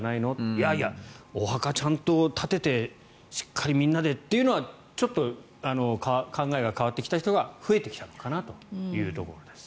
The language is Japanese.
いやいや、お墓はちゃんと建ててしっかりみんなでというのはちょっと考えが変わってきた人が増えてきたのかなというところです。